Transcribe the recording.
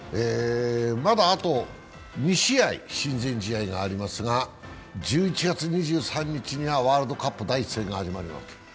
まだあと２試合親善試合がありますが１１月２３日にはワールドカップ第１戦が始まります。